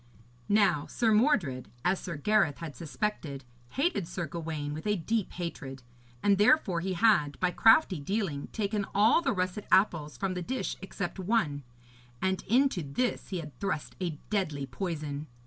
Now Sir Mordred, as Sir Gareth had suspected, hated Sir Gawaine with a deep hatred, and therefore he had, by crafty dealing, taken all the russet apples from the dish except one, and into this he had thrust a deadly poison.